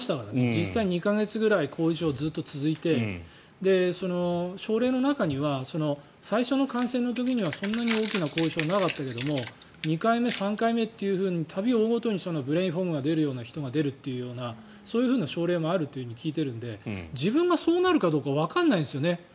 実際、２か月くらい後遺症、ずっと続いて症例の中には最初の感染の時にはそんなに大きな後遺症がなかったけれども２回目、３回目って度を負うごとにブレインフォグという症状が出るっていうようなそういう症例もあると聞いているので自分がそうなるかわからないんですよね。